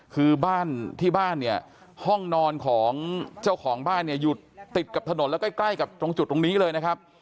คือบ้านที่บ้านเนี่ยห้องนอนของเจ้าของบ้านเนี่ยอยู่ติดกับถนนและใกล้ใกล้กับตรงจุดตรงนี้เลยนะครับ